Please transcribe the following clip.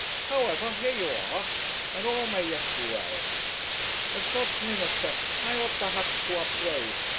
However here you are, and all may yet be well. As God's minister I ought perhaps to upbraid.